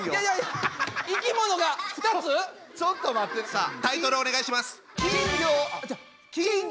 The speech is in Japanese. さあタイトルをお願いします。